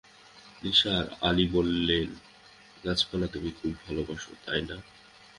নিসার আলি বললেন, গাছপালা তুমি খুব ভালবাস, তাই না?